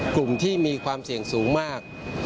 กลุ่มที่มีความเสี่ยงสูงมาก